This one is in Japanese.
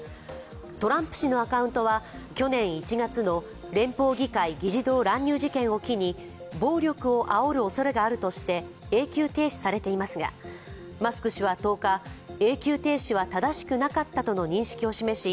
トランプ氏のアカウントは去年１月の連邦議会議事堂乱入事件を機に暴力をあおるおそれがあるとして永久停止されていますがマスク氏は１０日、永久停止は正しくなかったとの認識を示し